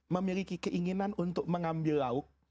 memiliki keinginan untuk mengambil lauk